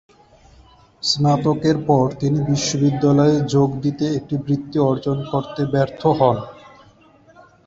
স্নাতকের পর তিনি বিশ্ববিদ্যালয়ে যোগ দিতে একটি বৃত্তি অর্জন করতে ব্যর্থ হন।